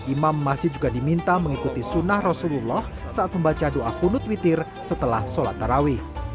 imam masih juga diminta mengikuti sunnah rasulullah saat membaca doa kunut witir setelah sholat tarawih